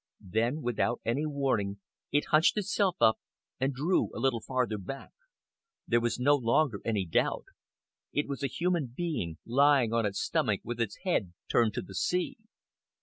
Then, without any warning, it hunched itself up and drew a little farther back. There was no longer any doubt. It was a human being, lying on its stomach with its head turned to the sea.